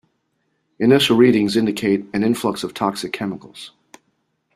Initial readings indicate an influx of toxic chemicals.